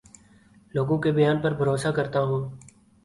لوگوں کے بیان پر بھروسہ کرتا ہوں